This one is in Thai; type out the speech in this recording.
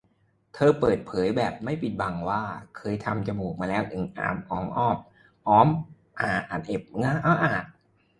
เธอเปิดเผยแบบไม่ปิดบังว่าเคยทำจมูกมาแล้วถึง สาม รอบ พร้อมผ่าตัดเก็บเนื้อหน้าผาก